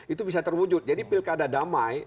itu bisa terwujud jadi pilkada damai